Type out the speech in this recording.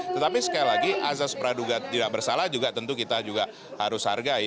tetapi sekali lagi azas praduga tidak bersalah juga tentu kita juga harus hargai